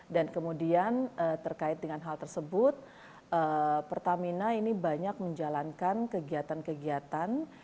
dan kemudian terkait dengan hal tersebut pertamina ini banyak menjalankan kegiatan kegiatan